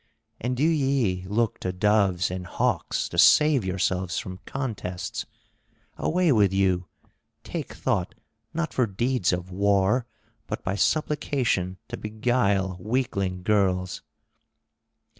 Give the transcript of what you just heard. And do ye look to doves and hawks to save yourselves from contests? Away with you, take thought not for deeds of war, but by supplication to beguile weakling girls."